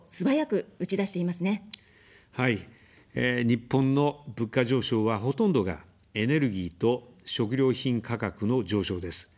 日本の物価上昇は、ほとんどがエネルギーと食料品価格の上昇です。